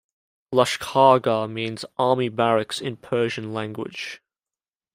Lashkargah means "army barracks" in Persian language.